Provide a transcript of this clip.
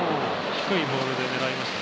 低いボールできた。